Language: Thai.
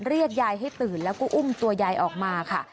เรียกยายให้ตื่นแล้วก็อุ้มตัวยายออกมาค่ะ